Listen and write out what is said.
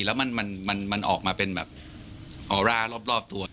แล้วมันออกมาเป็นแบบออร่ารอบตัว